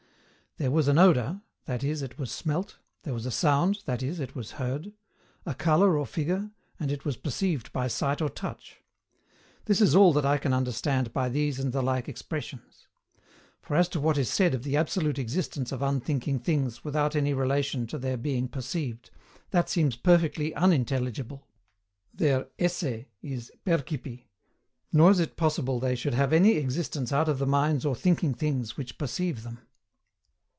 ] There was an odour, that is, it was smelt; there was a sound, that is, it was heard; a colour or figure, and it was perceived by sight or touch. This is all that I can understand by these and the like expressions. For as to what is said of the absolute existence of unthinking things without any relation to their being perceived, that seems perfectly unintelligible. Their ESSE is PERCIPI, nor is it possible they should have any existence out of the minds or thinking things which perceive them.